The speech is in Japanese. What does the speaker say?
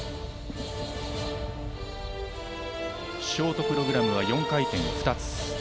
ショートプログラムは４回転を２つ。